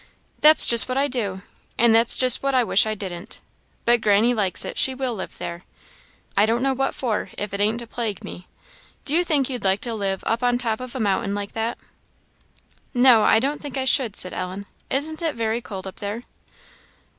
"That's just what I do; and that's just what I wish I didn't. But granny likes it; she will live there. I don't know what for, if it ain't to plague me. Do you think you'd like to live up on the top of a mountain like that?" "No, I don't think I should," said Ellen. "Isn't it very cold up there?"